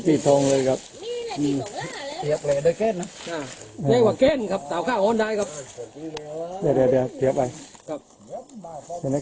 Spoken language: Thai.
เหลืองเท้าอย่างนั้น